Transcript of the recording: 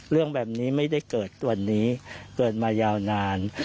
เรื่องแบบนี้ไม่ได้เกิดวันนี้เกิดมายาวนาน